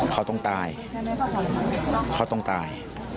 เขาต้องตายเขาต้องตาย